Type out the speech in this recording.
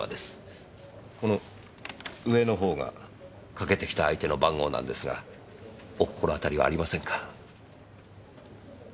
この上のほうがかけてきた相手の番号なんですがお心当たりはありませんか？